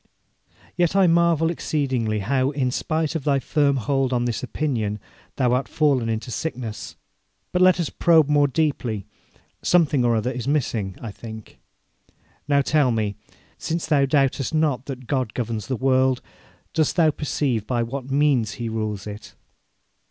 Yet I marvel exceedingly how, in spite of thy firm hold on this opinion, thou art fallen into sickness. But let us probe more deeply: something or other is missing, I think. Now, tell me, since thou doubtest not that God governs the world, dost thou perceive by what means He rules it?'